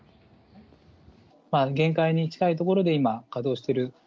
限界に近いところで今、稼働している。